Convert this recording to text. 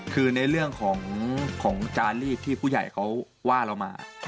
คือในเรื่องของจารีดที่ผู้ใหญ่เขาว่าเรามา